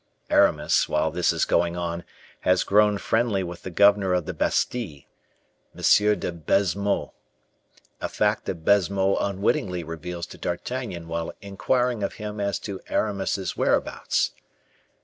Aramis, while this is going on, has grown friendly with the governor of the Bastile, M. de Baisemeaux, a fact that Baisemeaux unwittingly reveals to D'Artagnan while inquiring of him as to Aramis's whereabouts.